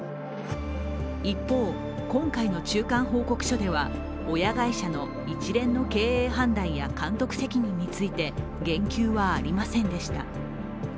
一方、今回の中間報告書では親会社の一連の経営判断や監督責任について言及はありませんでした。